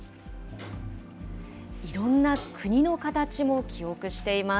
いろんな国の形も記憶しています。